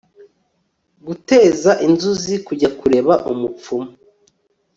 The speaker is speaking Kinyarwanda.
guteza inzuzi kujya kureba umupfumu